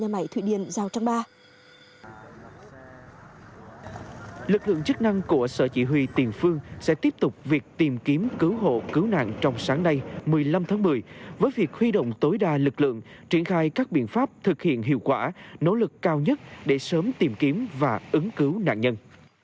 lực lượng chức năng của sở chỉ huy tiền phương sẽ tiếp tục việc tìm kiếm cứu hộ cứu nạn trong sáng nay một mươi năm tháng một mươi với việc huy động tối đa lực lượng triển khai các biện pháp thực hiện hiệu quả nỗ lực cao nhất để sớm tìm kiếm và ứng cứu nạn nhân